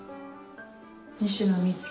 西野美月